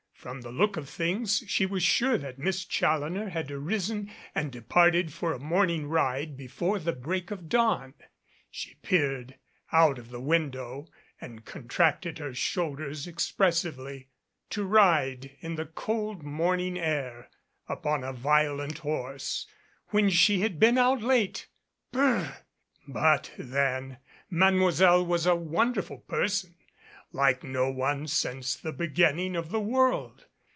From the look of things, she was sure that Miss Challoner had arisen and departed for a morning ride before the breaking of the dawn. She peered out of the window and contracted her shoulders expressively. To ride in the cold morning air upon a violent horse when she had been out late ! B r ! But then, Mademoiselle was a wonderful person like no one since the beginning of the world.